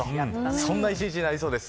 そんな１日になりそうです。